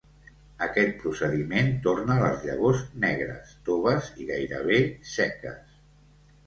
Aquest procediment torna les llavors negres, toves i gairebé seques.